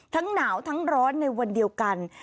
หนาวทั้งร้อนในวันเดียวกัน